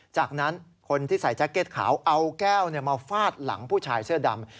จากนั้นคนที่ใส่แจ็คเก็ตขาวเอาแก้วมาฟาดหลังผู้ชายเสื้อดำ